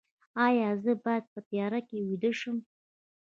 ایا زه باید په تیاره کې ویده شم؟